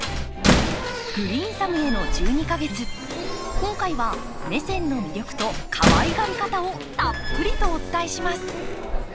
今回はメセンの魅力とかわいがり方をたっぷりとお伝えします。